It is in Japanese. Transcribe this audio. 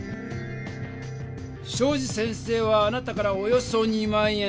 東海林先生はあなたから「およそ２万円。